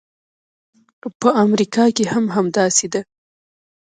په امریکا کې هم همداسې ده.